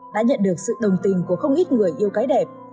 đã nhận được sự đồng tình của không ít người yêu cái đẹp